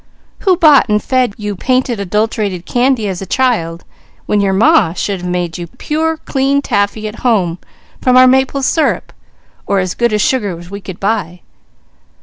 Who bought and fed you painted, adulterated candy as a child, when your Ma should have made you pure clean taffy at home from our maple syrup or as good sugar as we could buy?